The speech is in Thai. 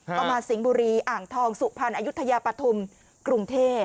ประมาณสิงห์บุรีอ่างทองสุพรรณอายุทยาปฐุมกรุงเทพ